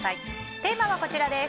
テーマはこちらです。